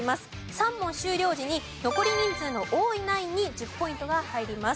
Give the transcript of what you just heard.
３問終了時に残り人数の多いナインに１０ポイントが入ります。